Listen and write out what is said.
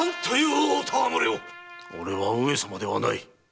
俺は上様ではない！